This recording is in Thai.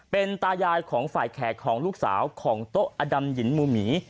เป็นตายายของฝ่ายแขกของลูกสาวของโต๊ะอดำหยินมูหมี